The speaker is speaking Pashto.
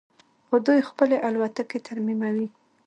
خو دوی خپلې الوتکې ترمیموي.